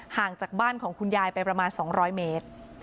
ห่างจากบ้านของคุณยายไปประมาณ๒๐๐เมตร